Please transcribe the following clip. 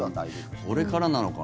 これからなのかな。